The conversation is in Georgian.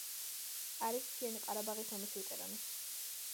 არის მთიანი ყარაბაღის ომის ვეტერანი.